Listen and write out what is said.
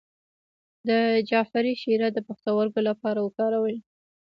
د جعفری شیره د پښتورګو لپاره وکاروئ